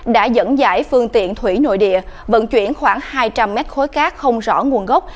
đã dẫn dãi phương tiện thủy nội địa vận chuyển khoảng hai trăm linh mét khối cát không rõ nguồn gốc